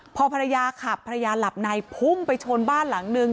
พอภรรยาขับภรรยาหลับในพุ่งไปชนบ้านหลังนึง